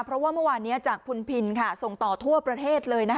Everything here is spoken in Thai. เพราะว่าเมื่อวานนี้จากพุนพินส่งต่อทั่วประเทศเลย